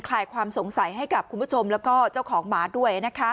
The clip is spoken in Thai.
ลายความสงสัยให้กับคุณผู้ชมแล้วก็เจ้าของหมาด้วย